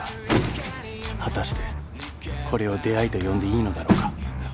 ［果たしてこれを出会いと呼んでいいのだろうか？］